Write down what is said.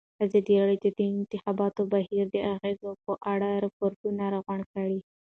ازادي راډیو د د انتخاباتو بهیر د اغېزو په اړه ریپوټونه راغونډ کړي.